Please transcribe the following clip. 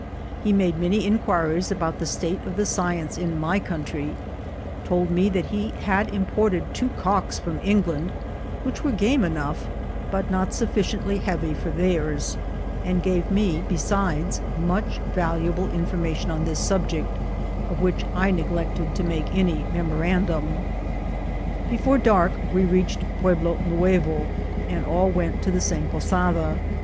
He made many inquiries about the state of the science in my country ; told me that he had imported two cocks from England, which were game enough, but not sufficiently heavy for theirs ; and gave me, besides, much valuable information on this subject, of which I neglected to make any memorandum. Before dark we reached Pueblo Nuevo, and all went to the same posada.